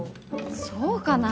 そうかな？